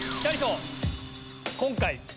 今回。